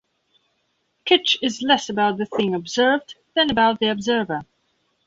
Kitsch is less about the thing observed than about the observer.